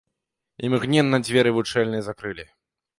Імгненна дзверы вучэльні закрылі.